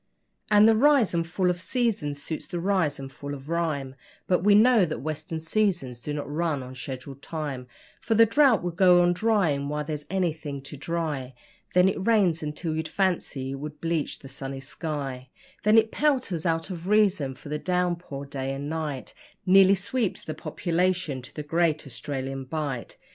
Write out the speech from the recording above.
And the 'rise and fall of seasons' suits the rise and fall of rhyme, But we know that western seasons do not run on schedule time; For the drought will go on drying while there's anything to dry, Then it rains until you'd fancy it would bleach the sunny sky Then it pelters out of reason, for the downpour day and night Nearly sweeps the population to the Great Australian Bight.